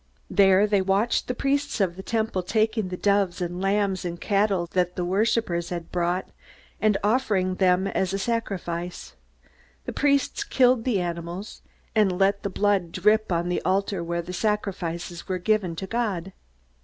There they watched the priests of the Temple taking the doves and lambs and cattle that the worshipers had brought, and offering them up as a sacrifice. The priests killed the animals, and let the blood drip on the altar where the sacrifices were given to God.